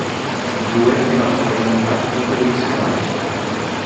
I due erano soprannominati "I piccoli messicani".